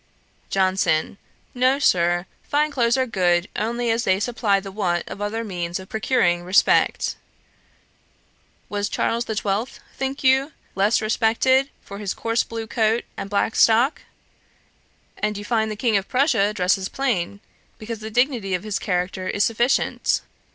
JOHNSON. 'No, Sir; fine clothes are good only as they supply the want of other means of procuring respect. Was Charles the Twelfth, think you, less respected for his coarse blue coat and black stock? And you find the King of Prussia dresses plain, because the dignity of his character is sufficient.'